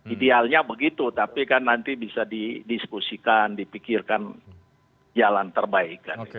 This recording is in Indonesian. idealnya begitu tapi kan nanti bisa didiskusikan dipikirkan jalan terbaik